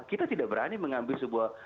kita tidak berani mengambil sebuah